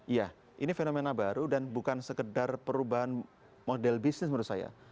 iya ini fenomena baru dan bukan sekedar perubahan model bisnis menurut saya